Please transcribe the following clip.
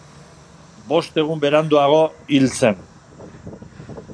Bost egun beranduago hil zen.